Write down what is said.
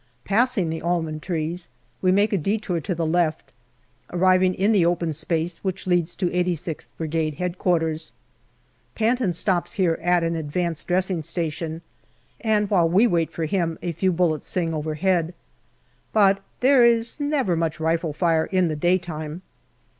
Passing the almond trees, we make a detour to the left, arriving in the open space which leads to 86th Brigade H.Q. Panton stops here at an advanced dressing station, and while we wait for him a few bullets sing overhead. But there is never very much rifle fire in the daytime.